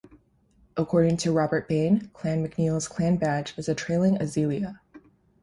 According to Robert Bain, Clan MacNeacail's clan badge is a trailing azalea.